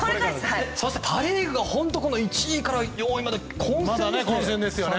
そしてパ・リーグが本当に１位から４位まで混戦ですね。